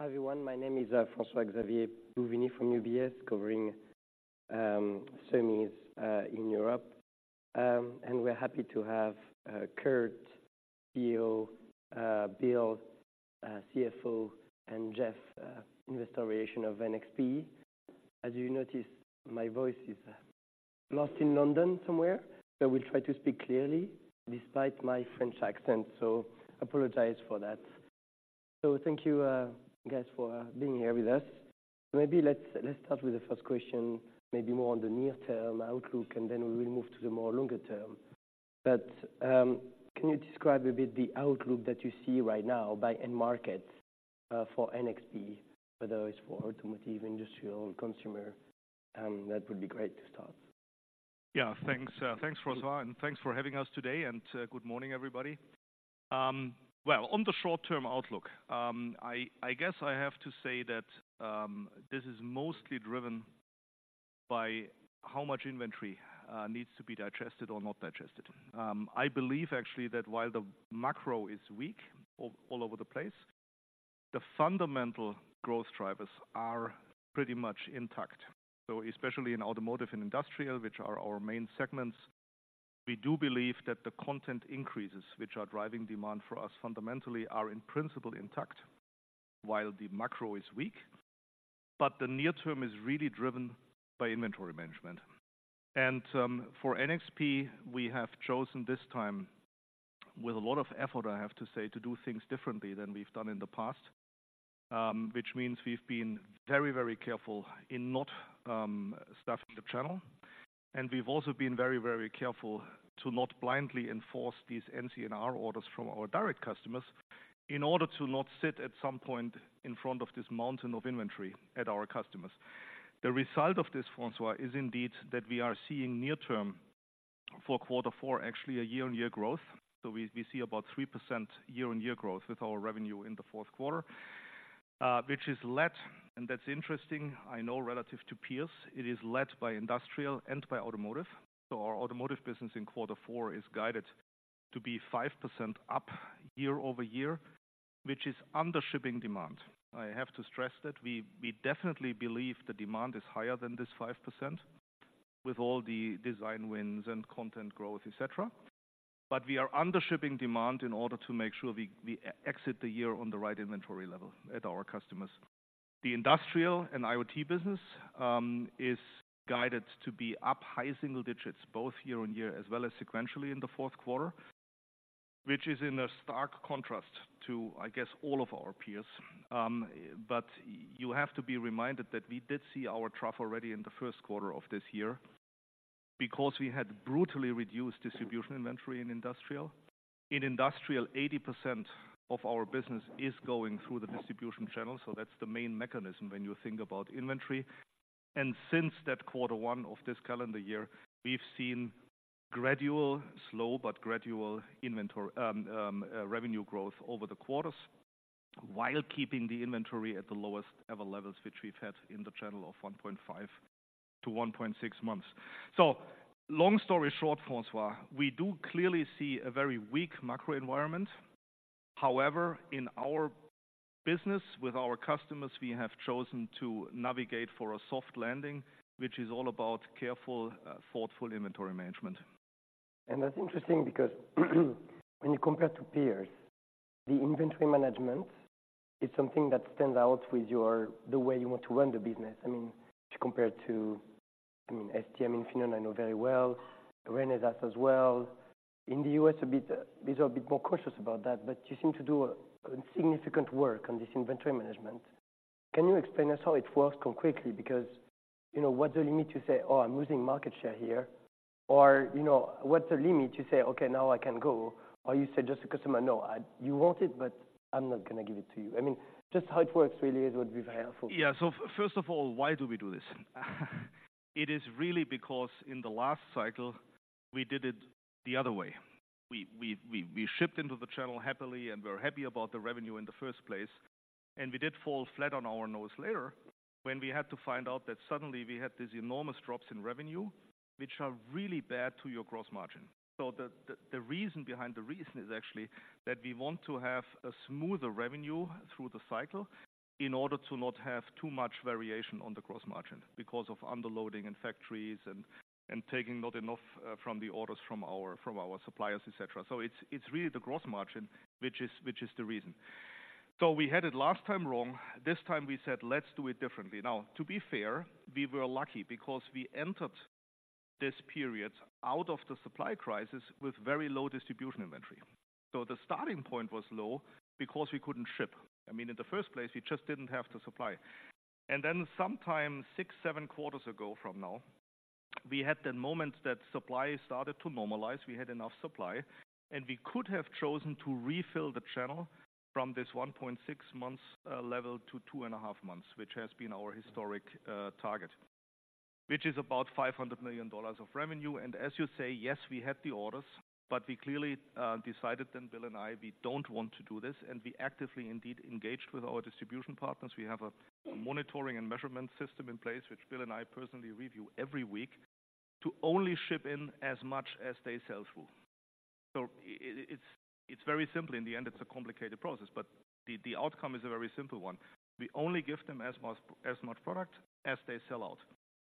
Hi, everyone. My name is François-Xavier Bouvignies from UBS, covering semis in Europe. We're happy to have Kurt, CEO, Bill, CFO, and Jeff, Investor Relations of NXP. As you notice, my voice is lost in London somewhere, so I will try to speak clearly despite my French accent, so apologize for that. Thank you, guys, for being here with us. Maybe let's start with the first question, maybe more on the near-term outlook, and then we will move to the more longer term. Can you describe a bit the outlook that you see right now by end market for NXP, whether it's for automotive, industrial, consumer? That would be great to start. Yeah, thanks, thanks, François, and thanks for having us today, and good morning, everybody. Well, on the short-term outlook, I guess I have to say that this is mostly driven by how much inventory needs to be digested or not digested. I believe actually that while the macro is weak all over the place, the fundamental growth drivers are pretty much intact. So especially in automotive and industrial, which are our main segments, we do believe that the content increases, which are driving demand for us fundamentally, are in principle intact while the macro is weak. But the near term is really driven by inventory management. And for NXP, we have chosen this time, with a lot of effort, I have to say, to do things differently than we've done in the past. Which means we've been very, very careful in not stuffing the channel, and we've also been very, very careful to not blindly enforce these NCNR orders from our direct customers in order to not sit at some point in front of this mountain of inventory at our customers. The result of this, François, is indeed that we are seeing near term for quarter four, actually a year-on-year growth. So we see about 3% year-on-year growth with our revenue in the fourth quarter, which is led, and that's interesting, I know, relative to peers, it is led by industrial and by automotive. So our automotive business in quarter four is guided to be 5% up year-over-year, which is undershipping demand. I have to stress that we, we definitely believe the demand is higher than this 5%, with all the design wins and content growth, et cetera. But we are undershipping demand in order to make sure we, we exit the year on the right inventory level at our customers. The industrial and IoT business is guided to be up high single digits, both year-on-year as well as sequentially in the fourth quarter, which is in a stark contrast to, I guess, all of our peers. But you have to be reminded that we did see our trough already in the first quarter of this year because we had brutally reduced distribution inventory in industrial. In industrial, 80% of our business is going through the distribution channel, so that's the main mechanism when you think about inventory. Since that quarter one of this calendar year, we've seen gradual, slow, but gradual inventory, revenue growth over the quarters, while keeping the inventory at the lowest ever levels, which we've had in the channel of one point five months-one point six months. So long story short, François, we do clearly see a very weak macro environment. However, in our business with our customers, we have chosen to navigate for a soft landing, which is all about careful, thoughtful inventory management. That's interesting because when you compare to peers, the inventory management is something that stands out with your, the way you want to run the business. I mean, to compare to, I mean, STM and Infineon, I know very well, Renesas as well. In the U.S., a bit, these are a bit more cautious about that, but you seem to do a significant work on this inventory management. Can you explain us how it works quickly? Because, you know, what's the limit to say, "Oh, I'm losing market share here," or, you know, what's the limit to say, "Okay, now I can go," or you say just to customer, "No, I, you want it, but I'm not gonna give it to you?" I mean, just how it works really it would be very helpful. Yeah. So first of all, why do we do this? It is really because in the last cycle, we did it the other way. We shipped into the channel happily, and we're happy about the revenue in the first place, and we did fall flat on our nose later when we had to find out that suddenly we had these enormous drops in revenue, which are really bad to your gross margin. So the reason behind the reason is actually that we want to have a smoother revenue through the cycle in order to not have too much variation on the gross margin because of underloading in factories and taking not enough from the orders from our suppliers, et cetera. So it's really the gross margin which is the reason. So we had it last time wrong. This time we said, "Let's do it differently." Now, to be fair, we were lucky because we entered this period out of the supply crisis with very low distribution inventory. The starting point was low because we couldn't ship. I mean, in the first place, we just didn't have the supply. Then sometime six, seven quarters ago from now, we had the moment that supply started to normalize. We had enough supply, and we could have chosen to refill the channel from this one point five months level to two and a half months, which has been our historic target, which is about $500 million of revenue. And as you say, yes, we had the orders, but we clearly decided then, Bill and I, we don't want to do this, and we actively indeed engaged with our distribution partners. We have a monitoring and measurement system in place, which Bill and I personally review every week, to only ship in as much as they sell through. So it's very simple. In the end, it's a complicated process, but the outcome is a very simple one. We only give them as much product as they sell out,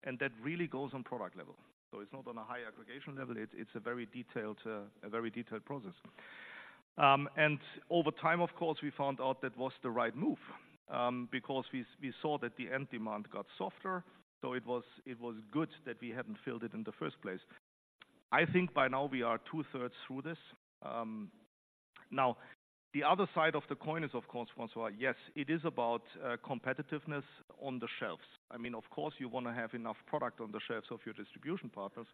and that really goes on product level. So it's not on a high aggregation level. It's a very detailed process. And over time, of course, we found out that was the right move, because we saw that the end demand got softer, so it was good that we hadn't filled it in the first place. I think by now we are 2/3 through this. Now, the other side of the coin is, of course, François, yes, it is about competitiveness on the shelves. I mean, of course, you wanna have enough product on the shelves of your distribution partners,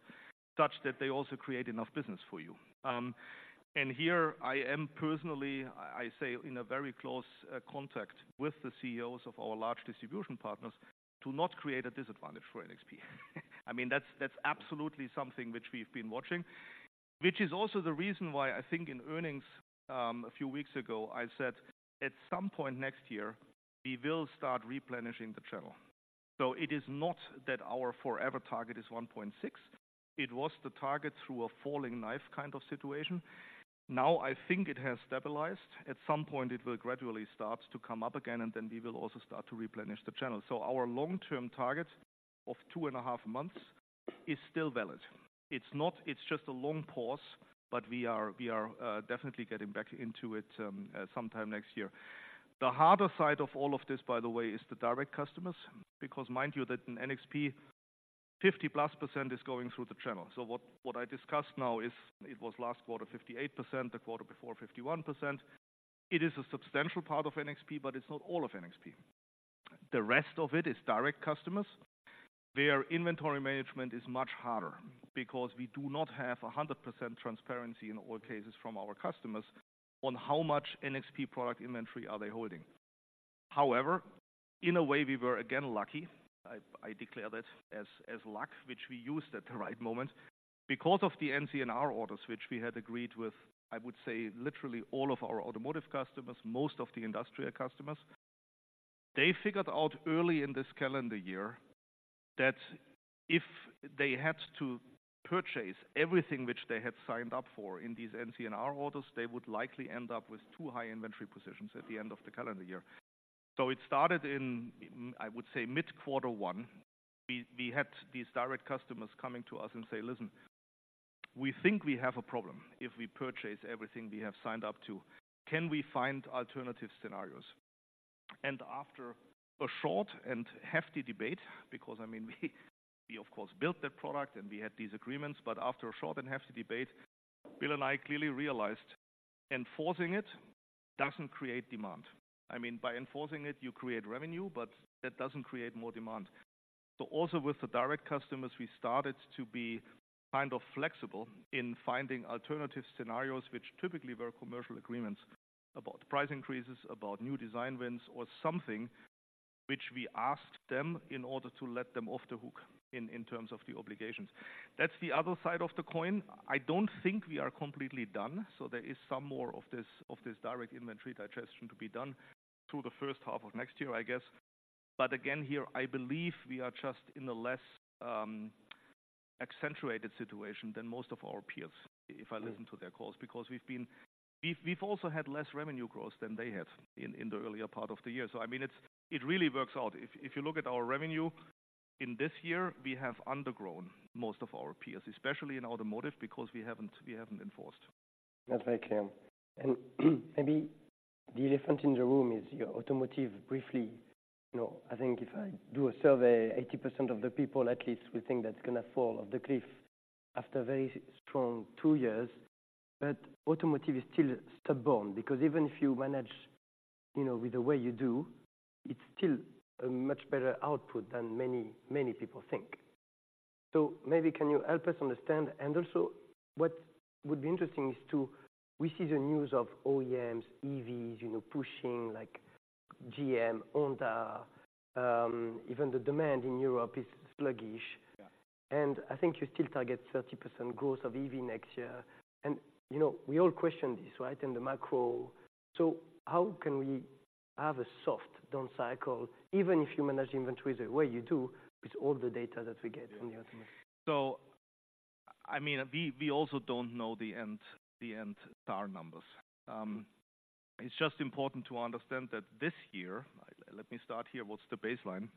such that they also create enough business for you. And here I am personally, I say, in a very close contact with the CEOs of our large distribution partners to not create a disadvantage for NXP. I mean, that's, that's absolutely something which we've been watching, which is also the reason why I think in earnings, a few weeks ago, I said, "At some point next year, we will start replenishing the channel." So it is not that our forever target is one point six, it was the target through a falling knife kind of situation. Now, I think it has stabilized. At some point, it will gradually start to come up again, and then we will also start to replenish the channel. So our long-term target of two and a half months is still valid. It's not. It's just a long pause, but we are definitely getting back into it sometime next year. The harder side of all of this, by the way, is the direct customers, because mind you, that in NXP, 50%+ is going through the channel. So what I discussed now is it was last quarter, 58%, the quarter before, 51%. It is a substantial part of NXP, but it's not all of NXP. The rest of it is direct customers, where inventory management is much harder because we do not have 100% transparency in all cases from our customers on how much NXP product inventory are they holding. However, in a way, we were again lucky. I, I declare that as, as luck, which we used at the right moment. Because of the NCNR orders, which we had agreed with, I would say, literally all of our automotive customers, most of the industrial customers, they figured out early in this calendar year that if they had to purchase everything which they had signed up for in these NCNR orders, they would likely end up with too high inventory positions at the end of the calendar year. So it started in, I would say, mid-quarter one. We had these direct customers coming to us and say, "Listen, we think we have a problem if we purchase everything we have signed up to. Can we find alternative scenarios?" And after a short and hefty debate, because, I mean, we of course built that product and we had these agreements, but after a short and hefty debate, Bill and I clearly realized enforcing it doesn't create demand. I mean, by enforcing it, you create revenue, but that doesn't create more demand. So also with the direct customers, we started to be kind of flexible in finding alternative scenarios, which typically were commercial agreements about price increases, about new design wins, or something which we asked them in order to let them off the hook in terms of the obligations. That's the other side of the coin. I don't think we are completely done, so there is some more of this, of this direct inventory digestion to be done through the first half of next year, I guess. But again, here, I believe we are just in a less accentuated situation than most of our peers, if I listen to their calls, because we've been—we've also had less revenue growth than they had in the earlier part of the year. So I mean, it really works out. If you look at our revenue in this year, we have undergrown most of our peers, especially in automotive, because we haven't enforced. That's very clear. Maybe the elephant in the room is your automotive. Briefly, you know, I think if I do a survey, 80% of the people at least will think that's gonna fall off the cliff after a very strong two years. Automotive is still stubborn, because even if you manage, you know, with the way you do, it's still a much better output than many, many people think. Maybe can you help us understand? Also, what would be interesting is to... We see the news of OEMs, EVs, you know, pushing, like GM, Honda, even the demand in Europe is sluggish. Yeah. I think you still target 30% growth of EV next year. You know, we all question this, right? In the macro. How can we have a soft down cycle, even if you manage inventory the way you do, with all the data that we get in the automotive? So, I mean, we also don't know the end SAAR numbers. It's just important to understand that this year, let me start here, what's the baseline?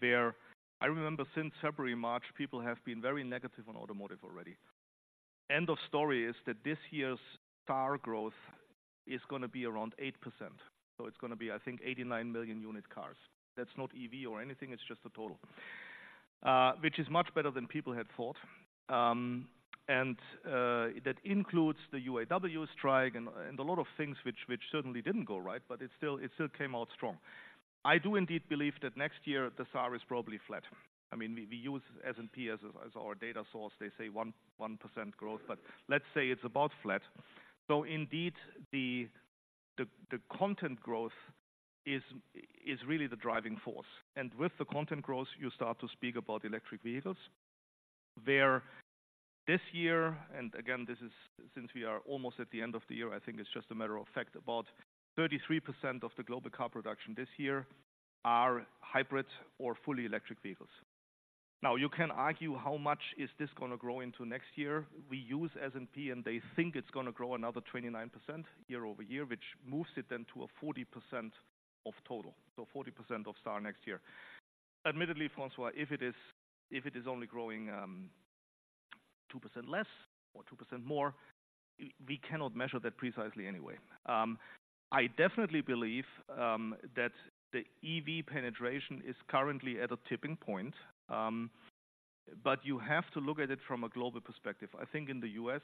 Where I remember since February, March, people have been very negative on automotive already. End of story is that this year's SAAR growth is gonna be around 8%, so it's gonna be, I think, 89 million unit cars. That's not EV or anything, it's just the total, which is much better than people had thought. And that includes the UAW strike and a lot of things which certainly didn't go right, but it still came out strong. I do indeed believe that next year, the SAAR is probably flat. I mean, we use S&P as our data source. They say 1% growth, but let's say it's about flat. So indeed, the content growth is really the driving force. And with the content growth, you start to speak about electric vehicles, where this year, and again, this is—since we are almost at the end of the year, I think it's just a matter of fact, about 33% of the global car production this year are hybrid or fully electric vehicles. Now, you can argue, how much is this going to grow into next year? We use S&P, and they think it's going to grow another 29% year-over-year, which moves it then to a 40% of total. So 40% of SAAR next year. Admittedly, François, if it is only growing, 2% less or 2% more, we cannot measure that precisely anyway. I definitely believe that the EV penetration is currently at a tipping point, but you have to look at it from a global perspective. I think in the U.S.,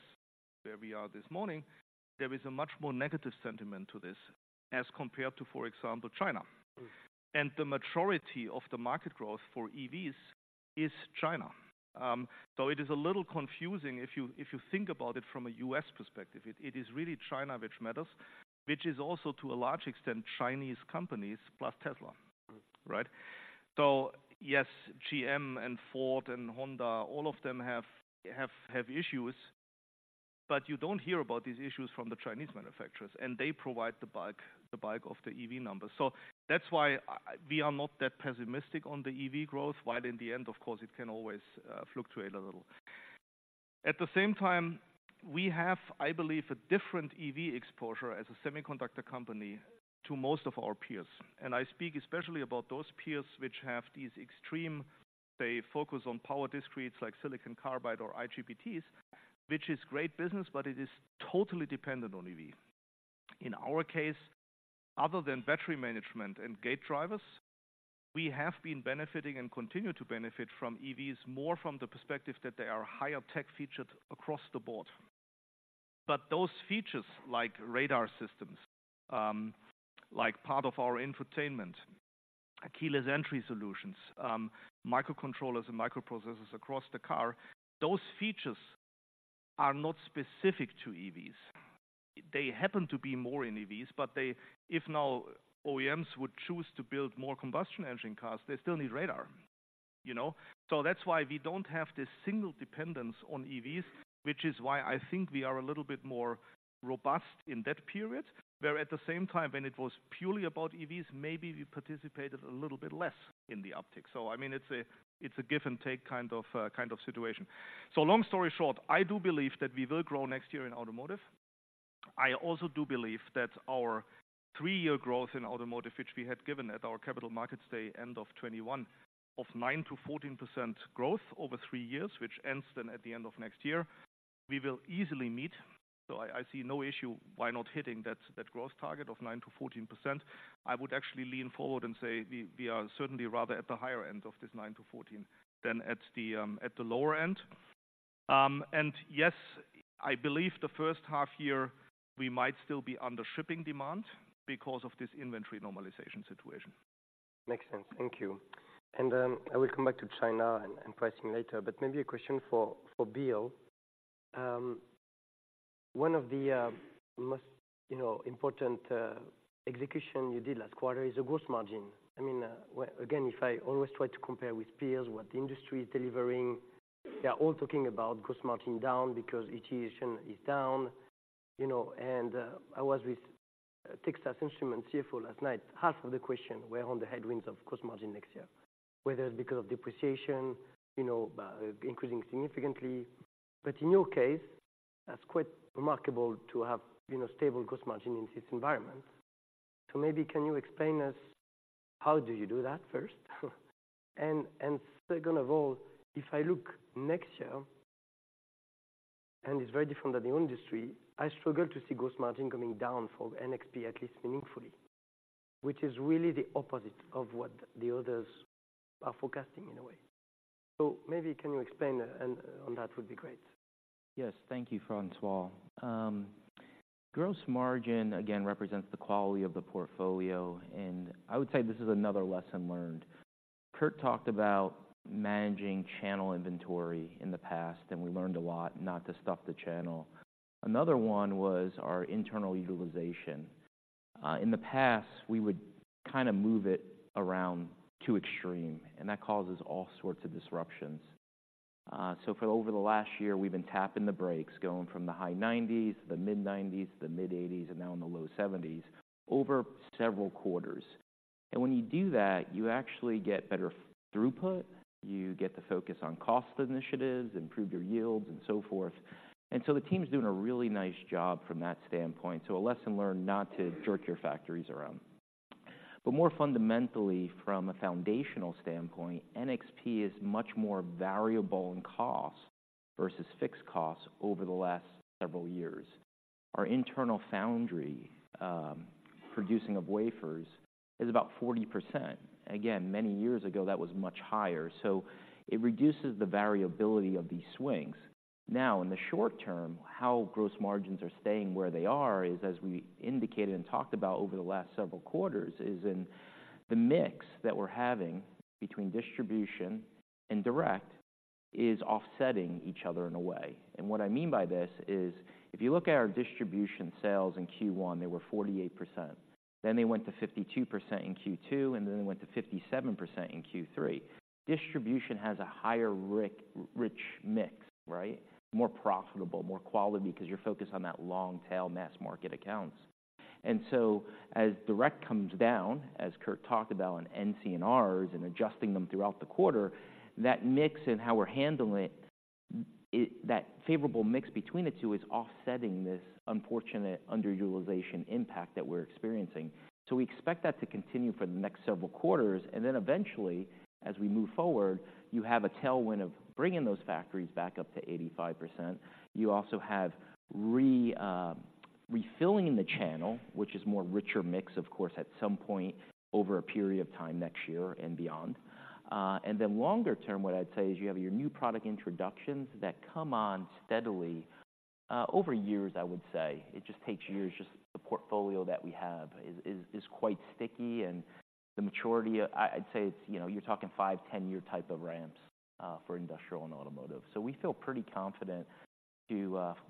where we are this morning, there is a much more negative sentiment to this as compared to, for example, China. The majority of the market growth for EVs is China. It is a little confusing if you, if you think about it from a U.S. perspective. It is really China which matters, which is also, to a large extent, Chinese companies plus Tesla. Right? Yes, GM and Ford and Honda, all of them have issues, but you don't hear about these issues from the Chinese manufacturers, and they provide the bulk of the EV numbers. So that's why we are not that pessimistic on the EV growth, while in the end, of course, it can always, fluctuate a little. At the same time, we have, I believe, a different EV exposure as a semiconductor company to most of our peers. And I speak especially about those peers which have these extreme. They focus on power discretes like silicon carbide or IGBTs, which is great business, but it is totally dependent on EV. In our case, other than battery management and gate drivers, we have been benefiting and continue to benefit from EVs, more from the perspective that they are higher tech featured across the board. But those features, like radar systems, like part of our infotainment, keyless entry solutions, microcontrollers and microprocessors across the car, those features are not specific to EVs. They happen to be more in EVs, but they—if now OEMs would choose to build more combustion engine cars, they still need radar, you know? So that's why we don't have this single dependence on EVs, which is why I think we are a little bit more robust in that period, where at the same time, when it was purely about EVs, maybe we participated a little bit less in the uptick. So I mean, it's a, it's a give and take kind of, kind of situation. So long story short, I do believe that we will grow next year in automotive. I also do believe that our three-year growth in automotive, which we had given at our Capital Markets Day, end of 2021, of 9%-14% growth over three years, which ends then at the end of next year, we will easily meet. So I see no issue why not hitting that growth target of 9%-14%. I would actually lean forward and say we are certainly rather at the higher end of this 9%-14% than at the lower end. And yes, I believe the first half year, we might still be undershipping demand because of this inventory normalization situation. Makes sense. Thank you. And I will come back to China and, and pricing later, but maybe a question for, for Bill. One of the, most, you know, important, execution you did last quarter is the gross margin. I mean, again, if I always try to compare with peers, what the industry is delivering, they are all talking about gross margin down because utilization is down, you know. And I was with Texas Instruments CFO last night. Half of the question were on the headwinds of gross margin next year, whether it's because of depreciation, you know, increasing significantly. But in your case, that's quite remarkable to have, you know, stable gross margin in this environment. So maybe can you explain us, how do you do that first? Second of all, if I look next year, and it's very different than the industry, I struggle to see gross margin coming down for NXP, at least meaningfully, which is really the opposite of what the others are forecasting in a way. So maybe can you explain on that. That would be great. Yes. Thank you, François. Gross margin, again, represents the quality of the portfolio, and I would say this is another lesson learned. Kurt talked about managing channel inventory in the past, and we learned a lot not to stuff the channel. Another one was our internal utilization. In the past, we would kinda move it around too extreme, and that causes all sorts of disruptions. So for over the last year, we've been tapping the brakes, going from the high 90s%, mid-90s%, mid-80s%, and now in the low 70s%, over several quarters. And when you do that, you actually get better throughput. You get to focus on cost initiatives, improve your yields, and so forth. And so the team's doing a really nice job from that standpoint. So a lesson learned, not to jerk your factories around. But more fundamentally, from a foundational standpoint, NXP is much more variable in cost versus fixed costs over the last several years. Our internal foundry, producing of wafers is about 40%. Again, many years ago, that was much higher, so it reduces the variability of these swings. Now, in the short term, how gross margins are staying where they are is, as we indicated and talked about over the last several quarters, is in the mix that we're having between distribution and direct is offsetting each other in a way. And what I mean by this is, if you look at our distribution sales in Q1, they were 48%, then they went to 52% in Q2, and then they went to 57% in Q3. Distribution has a higher rich mix, right? More profitable, more quality, because you're focused on that long tail mass market accounts... And so as direct comes down, as Kurt talked about on NCNRs and adjusting them throughout the quarter, that mix and how we're handling it, that favorable mix between the two is offsetting this unfortunate underutilization impact that we're experiencing. So we expect that to continue for the next several quarters, and then eventually, as we move forward, you have a tailwind of bringing those factories back up to 85%. You also have refilling the channel, which is more richer mix, of course, at some point over a period of time next year and beyond. And then longer term, what I'd say is you have your new product introductions that come on steadily, over years, I would say. It just takes years. Just the portfolio that we have is quite sticky, and the maturity, I'd say it's, you know, you're talking five, 10 year type of ramps for industrial and automotive. So we feel pretty confident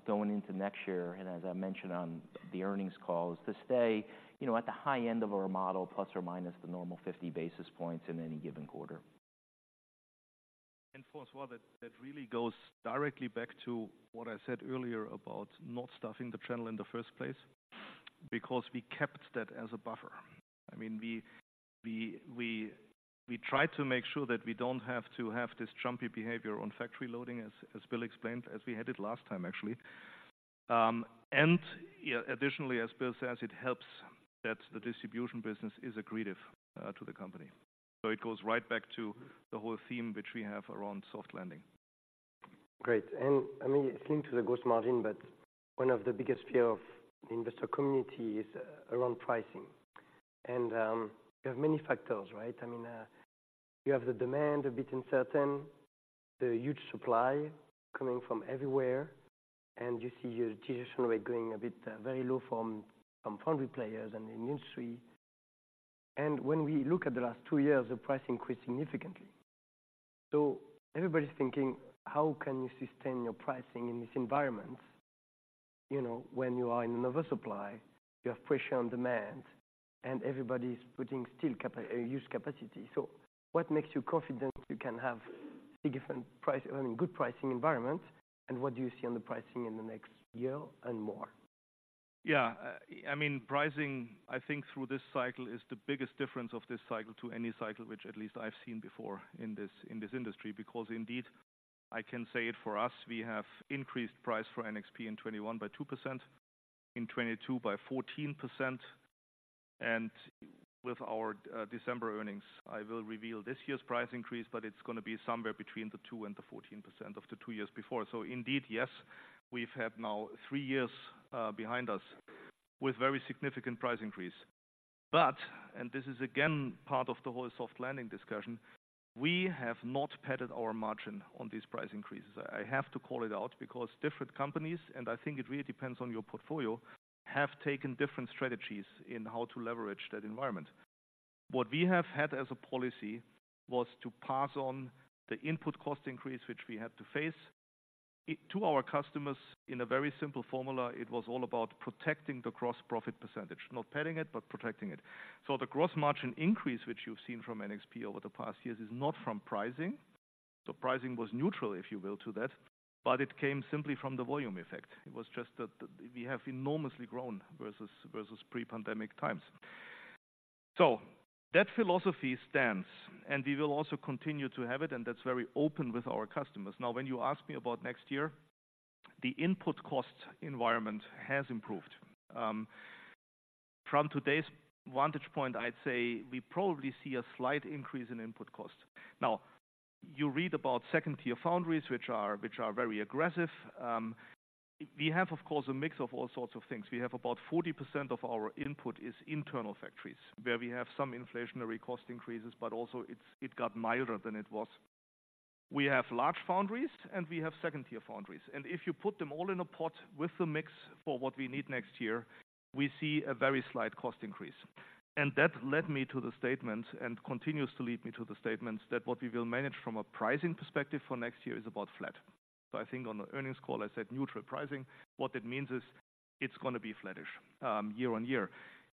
going into next year, and as I mentioned on the earnings calls, to stay, you know, at the high end of our model, plus or minus the normal 50 basis points in any given quarter. François, that really goes directly back to what I said earlier about not stuffing the channel in the first place, because we kept that as a buffer. I mean, we try to make sure that we don't have to have this jumpy behavior on factory loading, as Bill explained, as we had it last time, actually. Yeah, additionally, as Bill says, it helps that the distribution business is accretive to the company. So it goes right back to the whole theme which we have around soft landing. Great, and I mean, it's linked to the gross margin, but one of the biggest fear of the investor community is around pricing. You have many factors, right? I mean, you have the demand a bit uncertain, the huge supply coming from everywhere, and you see your traditional rate going a bit very low from foundry players and in industry. When we look at the last two years, the price increased significantly. So everybody's thinking, how can you sustain your pricing in this environment? You know, when you are in an oversupply, you have pressure on demand, and everybody's putting still capacity. So what makes you confident you can have a different price, I mean, good pricing environment, and what do you see on the pricing in the next year and more? Yeah, I mean, pricing, I think, through this cycle is the biggest difference of this cycle to any cycle which at least I've seen before in this, in this industry. Because indeed, I can say it for us, we have increased price for NXP in 2021 by 2%, in 2022 by 14%, and with our December earnings, I will reveal this year's price increase, but it's gonna be somewhere between the 2% and the 14% of the two years before. So indeed, yes, we've had now three years behind us with very significant price increase. But, and this is again, part of the whole soft landing discussion, we have not padded our margin on these price increases. I have to call it out because different companies, and I think it really depends on your portfolio, have taken different strategies in how to leverage that environment. What we have had as a policy was to pass on the input cost increase, which we had to face, it to our customers in a very simple formula. It was all about protecting the gross profit percentage, not padding it, but protecting it. So the gross margin increase, which you've seen from NXP over the past years, is not from pricing. So pricing was neutral, if you will, to that, but it came simply from the volume effect. It was just that we have enormously grown versus pre-pandemic times. So that philosophy stands, and we will also continue to have it, and that's very open with our customers. Now, when you ask me about next year, the input cost environment has improved. From today's vantage point, I'd say we probably see a slight increase in input cost. Now, you read about second-tier foundries, which are very aggressive. We have, of course, a mix of all sorts of things. We have about 40% of our input is internal factories, where we have some inflationary cost increases, but also it got milder than it was. We have large foundries, and we have second-tier foundries, and if you put them all in a pot with the mix for what we need next year, we see a very slight cost increase. And that led me to the statement, and continues to lead me to the statements, that what we will manage from a pricing perspective for next year is about flat. So I think on the earnings call, I said neutral pricing. What that means is it's gonna be flattish, year-over-year,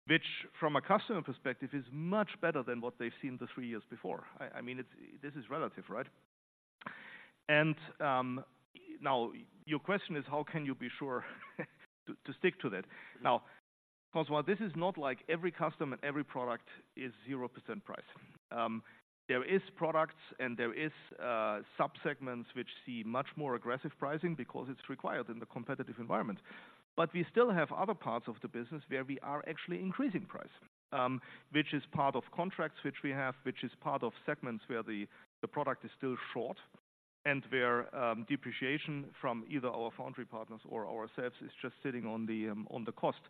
which from a customer perspective, is much better than what they've seen the three years before. I mean, this is relative, right? Now your question is, how can you be sure to stick to that? Now, François, this is not like every customer and every product is 0% price. There is products and there is subsegments which see much more aggressive pricing because it's required in the competitive environment. But we still have other parts of the business where we are actually increasing price, which is part of contracts which we have, which is part of segments where the product is still short and where depreciation from either our foundry partners or ourselves is just sitting on the cost.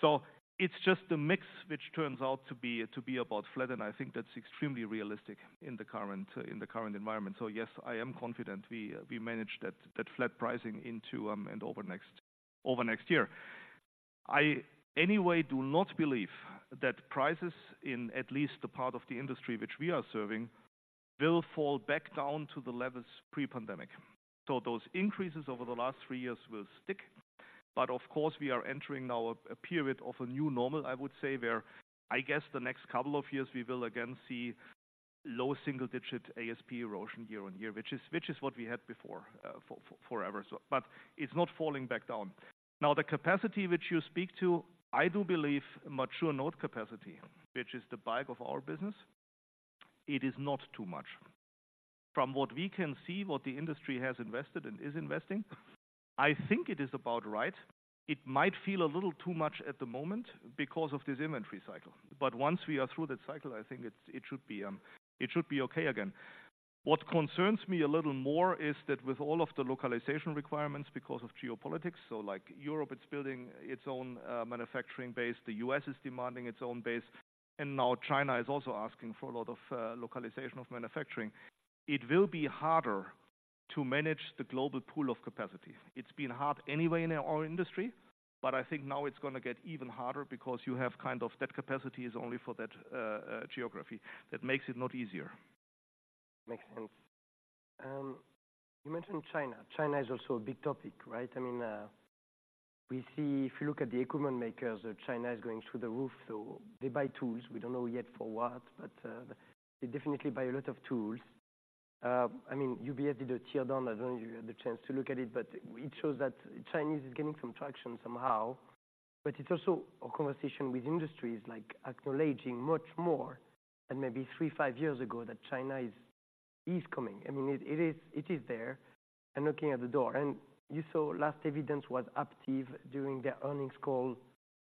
So it's just a mix, which turns out to be about flat, and I think that's extremely realistic in the current environment. So yes, I am confident we managed that flat pricing into and over next year. I anyway do not believe that prices in at least the part of the industry which we are serving will fall back down to the levels pre-pandemic. So those increases over the last three years will stick. But of course, we are entering now a period of a new normal, I would say, where I guess the next couple of years we will again see low single-digit ASP erosion year-over-year, which is, which is what we had before, for forever. So but it's not falling back down. Now, the capacity which you speak to, I do believe mature node capacity, which is the bulk of our business, it is not too much. From what we can see, what the industry has invested and is investing, I think it is about right. It might feel a little too much at the moment because of this inventory cycle, but once we are through that cycle, I think it should be okay again. What concerns me a little more is that with all of the localization requirements because of geopolitics, so like Europe, it's building its own manufacturing base, the U.S. is demanding its own base, and now China is also asking for a lot of localization of manufacturing. It will be harder to manage the global pool of capacity. It's been hard anyway in our industry, but I think now it's going to get even harder because you have kind of that capacity is only for that geography. That makes it not easier. Makes sense. You mentioned China. China is also a big topic, right? I mean, we see if you look at the equipment makers, China is going through the roof, so they buy tools. We don't know yet for what, but they definitely buy a lot of tools. I mean, UBS did a tear down. I don't know if you had the chance to look at it, but it shows that Chinese is gaining some traction somehow. But it's also a conversation with industries like acknowledging much more than maybe three-five years ago, that China is coming. I mean, it is there and knocking at the door. And you saw last evidence was Aptiv doing their earnings call,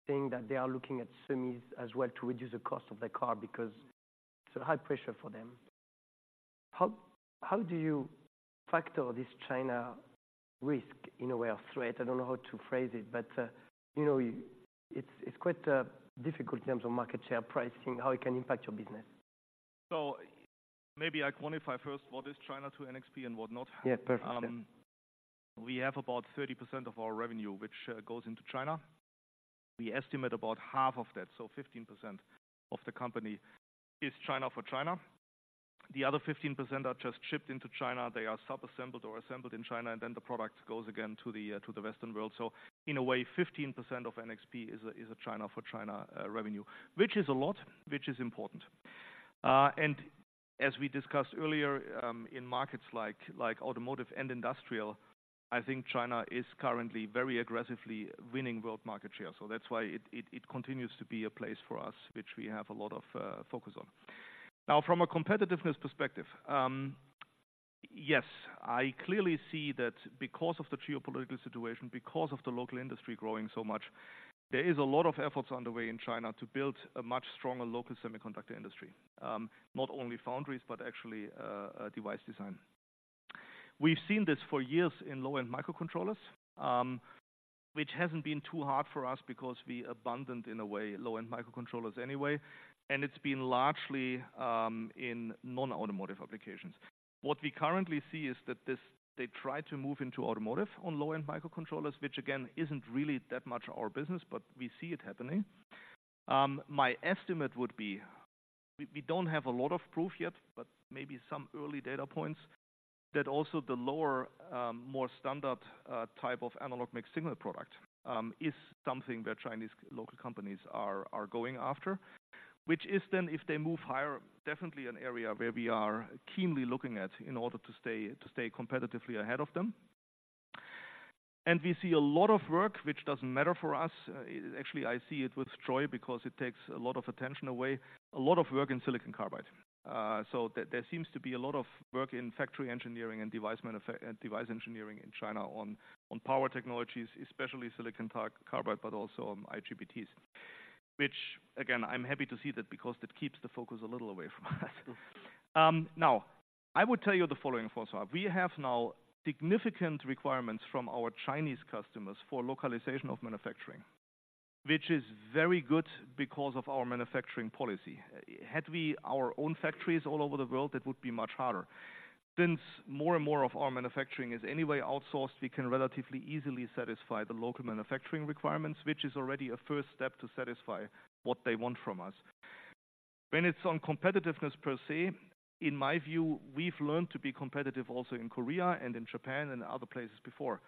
saying that they are looking at semis as well to reduce the cost of the car because it's a high pressure for them. How do you factor this China risk in a way or threat? I don't know how to phrase it, but you know, it's quite difficult in terms of market share pricing, how it can impact your business. Maybe I quantify first what is China to NXP and what not? Yeah, perfect. We have about 30% of our revenue, which goes into China. We estimate about half of that, so 15% of the company is China for China. The other 15% are just shipped into China. They are sub-assembled or assembled in China, and then the product goes again to the Western world. So in a way, 15% of NXP is a China for China revenue, which is a lot, which is important. And as we discussed earlier, in markets like automotive and industrial, I think China is currently very aggressively winning world market share. So that's why it continues to be a place for us, which we have a lot of focus on. Now, from a competitiveness perspective, yes, I clearly see that because of the geopolitical situation, because of the local industry growing so much, there is a lot of efforts underway in China to build a much stronger local semiconductor industry. Not only foundries, but actually, a device design. We've seen this for years in low-end microcontrollers, which hasn't been too hard for us because we abandoned in a way low-end microcontrollers anyway, and it's been largely in non-automotive applications. What we currently see is that this, they try to move into automotive on low-end microcontrollers, which again, isn't really that much our business, but we see it happening. My estimate would be, we don't have a lot of proof yet, but maybe some early data points, that also the lower, more standard type of analog mixed signal product is something where Chinese local companies are going after. Which is then, if they move higher, definitely an area where we are keenly looking at in order to stay competitively ahead of them. And we see a lot of work, which doesn't matter for us. Actually, I see it with joy because it takes a lot of attention away, a lot of work in silicon carbide. So there seems to be a lot of work in factory engineering and device engineering in China on power technologies, especially silicon carbide, but also on IGBTs. Which again, I'm happy to see that because that keeps the focus a little away from us. Now, I would tell you the following for sure. We have now significant requirements from our Chinese customers for localization of manufacturing, which is very good because of our manufacturing policy. Had we our own factories all over the world, that would be much harder. Since more and more of our manufacturing is anyway outsourced, we can relatively easily satisfy the local manufacturing requirements, which is already a first step to satisfy what they want from us. When it's on competitiveness per se, in my view, we've learned to be competitive also in Korea and in Japan and other places before.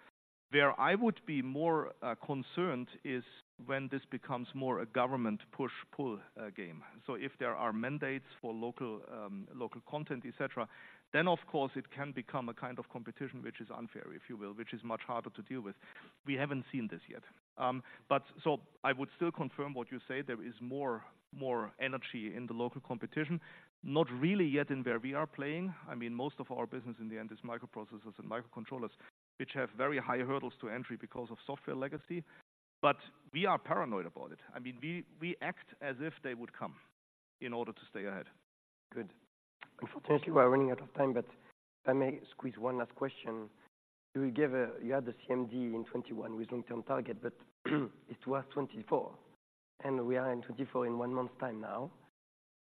Where I would be more concerned is when this becomes more a government push-pull game. So if there are mandates for local content, et cetera, then of course it can become a kind of competition, which is unfair, if you will, which is much harder to deal with. We haven't seen this yet. But so I would still confirm what you say, there is more energy in the local competition. Not really yet in where we are playing. I mean, most of our business in the end is microprocessors and microcontrollers, which have very high hurdles to entry because of software legacy. But we are paranoid about it. I mean, we act as if they would come in order to stay ahead. Good. Unfortunately, we are running out of time, but if I may squeeze one last question. You gave. You had the CMD in 2021 with long-term target, but it was 2024, and we are in 2024 in one month's time now.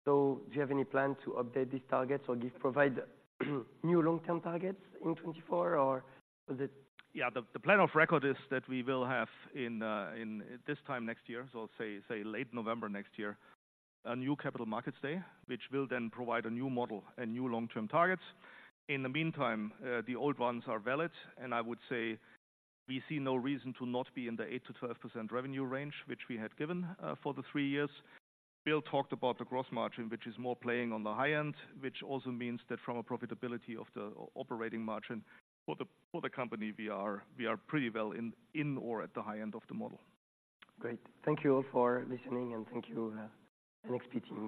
So do you have any plan to update these targets or give, provide new long-term targets in 2024, or is it? Yeah, the plan of record is that we will have in this time next year, so say late November next year, a new Capital Markets Day, which will then provide a new model and new long-term targets. In the meantime, the old ones are valid, and I would say we see no reason to not be in the 8%-12% revenue range, which we had given for the three years. Bill talked about the gross margin, which is more playing on the high end, which also means that from a profitability of the operating margin for the company, we are pretty well in or at the high end of the model. Great. Thank you all for listening, and thank you, NXP team.